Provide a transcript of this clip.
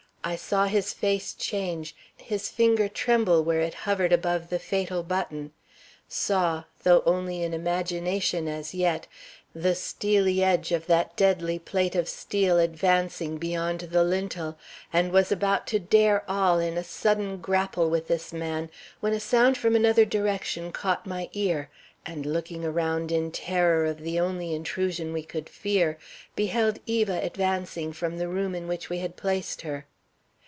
I saw his face change, his finger tremble where it hovered above the fatal button; saw though only in imagination as yet the steely edge of that deadly plate of steel advancing beyond the lintel, and was about to dare all in a sudden grapple with this man, when a sound from another direction caught my ear, and looking around in terror of the only intrusion we could fear, beheld Eva advancing from the room in which we had placed her.